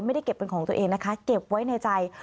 ไม่ได้เก็บเป็นของตัวเองนะคะเก็บไว้ในใจ